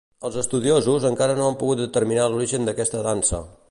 Els estudiosos encara no pogut determinar l'origen d'aquesta dansa.